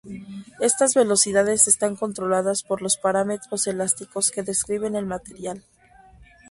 Estas velocidades están controladas por los parámetros elásticos que describen el material.